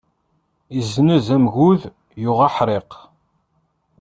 Izzenz amgud, yuɣ aḥriq.